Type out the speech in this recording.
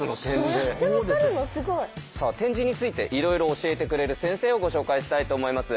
すごい。さあ点字についていろいろ教えてくれる先生をご紹介したいと思います。